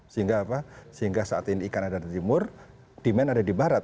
sehingga apa sehingga saat ini ikan ada di timur demand ada di barat